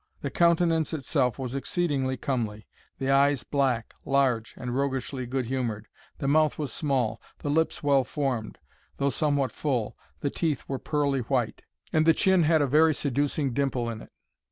The countenance itself was exceedingly comely the eyes black, large, and roguishly good humoured the mouth was small the lips well formed, though somewhat full the teeth were pearly white and the chin had a very seducing dimple in it.